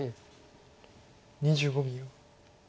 ２５秒。